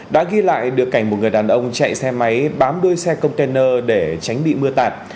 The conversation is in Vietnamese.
đã ghi lại được cảnh một người đàn ông chạy xe máy bám đuôi xe container để tránh bị mưa tạt